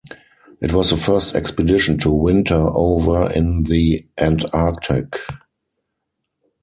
It was the first expedition to winter over in the Antarctic.